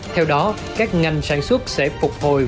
theo đó các ngành sản xuất sẽ phục hồi